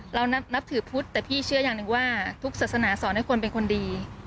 เรานับถือพุทธแต่พี่เชื่ออย่างหนึ่งว่าทุกศาสนาสอนให้คนเป็นคนดี